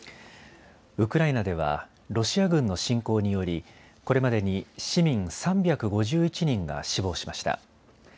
ウクライナではロシア軍の侵攻によりこれまでに市民３５１人が死亡しました。